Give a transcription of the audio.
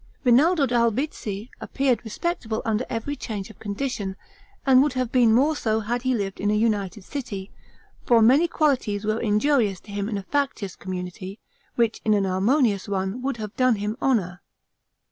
Rinaldo d'Albizzi appeared respectable under every change of condition; and would have been more so had he lived in a united city, for many qualities were injurious to him in a factious community, which in an harmonious one would have done him honor.